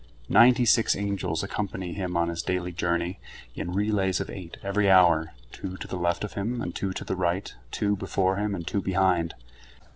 Ninety six angels accompany him on his daily journey, in relays of eight every hour, two to the left of him, and two to the right, two before Him, and two behind.